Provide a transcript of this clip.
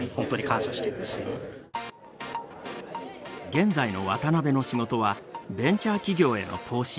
現在の渡辺の仕事はベンチャー企業への投資。